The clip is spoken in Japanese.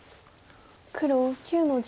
黒９の十。